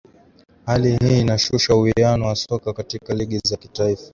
Hali hii inashusha uwiano wa soka katika ligi za kitaifa